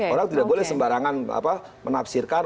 orang tidak boleh sembarangan menafsirkan